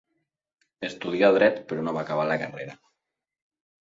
Estudià dret però no va acabar la carrera.